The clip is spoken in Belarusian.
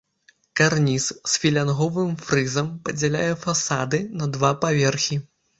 Карніз з філянговым фрызам падзяляе фасады на два паверхі.